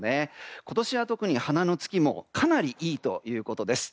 今年は花のつきもかなりいいということです。